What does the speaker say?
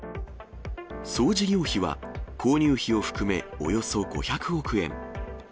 総事業費は、購入費を含めおよそ５００億円。